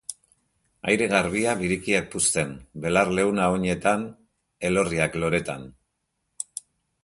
Aire garbia birikak puzten, belar leuna oinetan, elorriak loretan.